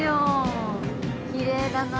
きれいだな。